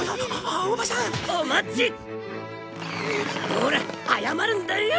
ほら謝るんだよ！